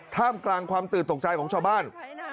ท่ามกลางความตื่นตกใจของชาวบ้าน